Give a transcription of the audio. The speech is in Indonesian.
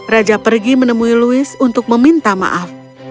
raja pergi menemui louis untuk meminta maaf